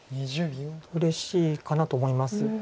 うれしいかなと思います。